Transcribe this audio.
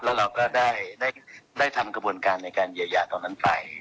แล้วเราก็ได้ทำกระบวนการในการเยียวยาตรงนั้นไป